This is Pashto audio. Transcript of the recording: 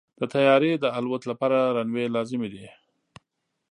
د طیارې د الوت لپاره رنوی لازمي دی.